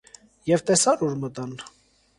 Եվ տեսա՞ր ուր մտան: